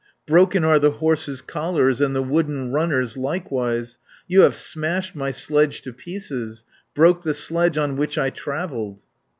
Broken are the horses' collars, And the wooden runners likewise; You have smashed my sledge to pieces. Broke the sledge in which I travelled."